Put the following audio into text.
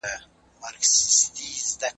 کمپيوټر رېډيو چالانه کوي.